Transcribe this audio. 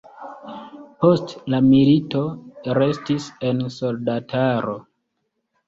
Post la milito restis en soldataro.